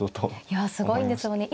いやすごいんですよね。